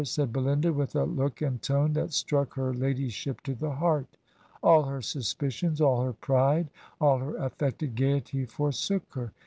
said Belinda, with a look and tone that struck her ladyship to the heart. All her suspicions, all her pride, all her ajBfected gayety for sook her.